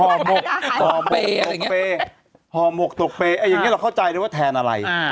หอมบกตกเปหอมบกตกเปอย่างนี้เราเข้าใจได้ว่าแทนอะไร